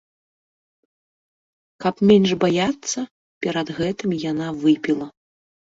Каб менш баяцца, перад гэтым яна выпіла.